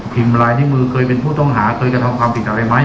ลายนิ้วมือเคยเป็นผู้ต้องหาเคยกระทำความผิดอะไรไหม